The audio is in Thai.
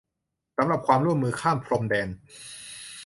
สำหรับความร่วมมือข้ามพรมแดน